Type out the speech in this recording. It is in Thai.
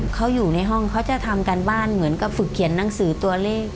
เขาอยู่ในห้องเขาจะทำการบ้านเหมือนกับฝึกเขียนหนังสือตัวเลข